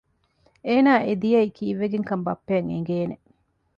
އޭނާ އެ ދިޔައީ ކީއްވެގެންކަން ބައްޕައަށް އެނގޭނެ